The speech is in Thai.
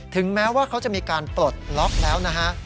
แม้ว่าเขาจะมีการปลดล็อกแล้วนะฮะ